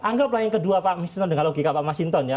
anggaplah yang kedua pak misinton dengan logika pak mas hinton ya